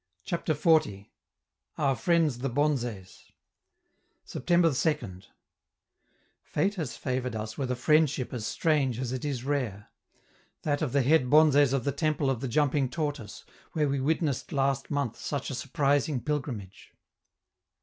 CHAPTER XL. OUR FRIENDS THE BONZES September 2d. Fate has favored us with a friendship as strange as it is rare: that of the head bonzes of the temple of the jumping Tortoise, where we witnessed last month such a surprising pilgrimage.